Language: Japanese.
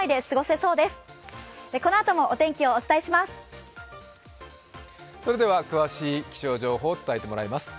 それでは詳しい気象情報を伝えてもらいます。